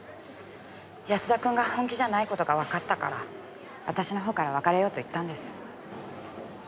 安田君が本気じゃない事がわかったから私のほうから別れようと言ったんです。